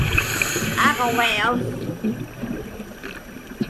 Agawam.